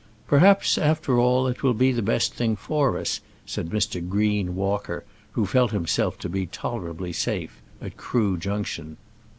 "Perhaps, after all, it will be the best thing for us," said Mr. Green Walker, who felt himself to be tolerably safe at Crewe Junction.